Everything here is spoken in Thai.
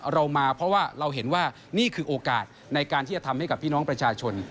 เรามาเพราะว่าเราเห็นว่านี่คือโอกาสในการที่จะทำให้กับพี่น้องประชาชน